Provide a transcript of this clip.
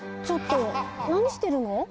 ちょっとなにしてるの？